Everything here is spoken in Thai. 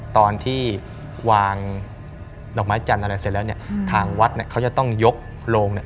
ตอนที่วางดอกไม้จันทร์อะไรเสร็จแล้วเนี่ยทางวัดเนี่ยเขาจะต้องยกโรงเนี่ย